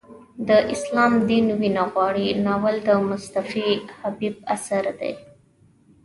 د اسلام دین وینه غواړي ناول د مصطفی خبیب اثر دی.